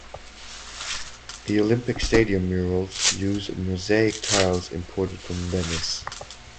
The Olympic Stadium murals use mosaic tiles imported from Venice.